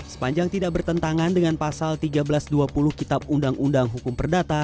sepanjang tidak bertentangan dengan pasal tiga belas dua puluh kitab undang undang hukum perdata